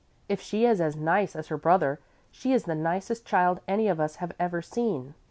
If she is as nice as her brother, she is the nicest child any of us have ever seen."